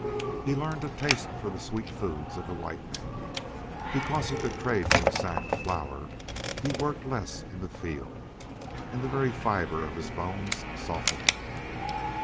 He learned a taste for the sweet foods of the white man. Because he could trade for a sack of flour he worked less in the field. And the very fiber of his bones softened.